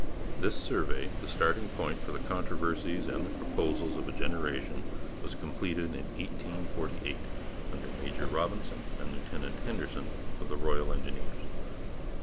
This survey, the starting point for the controversies and the proposals of a generation, was completed in 1848, under Major Robinson and Lieutenant Henderson of the Royal Engineers.